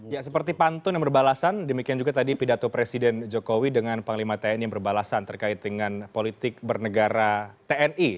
ya seperti pantun yang berbalasan demikian juga tadi pidato presiden jokowi dengan panglima tni yang berbalasan terkait dengan politik bernegara tni